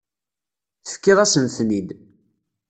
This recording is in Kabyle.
Tefkiḍ-asen-ten-id.